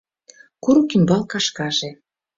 Курык ӱмбал кашкаже